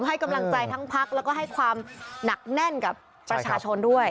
ให้กำลังใจทั้งพักแล้วก็ให้ความหนักแน่นกับประชาชนด้วย